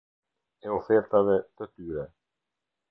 E ofertave të tyre.